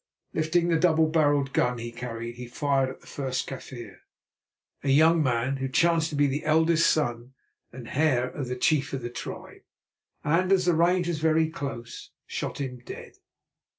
Lifting the double barrelled gun he carried, he fired at the first Kaffir, a young man who chanced to be the eldest son and heir of the chief of the tribe, and, as the range was very close, shot him dead.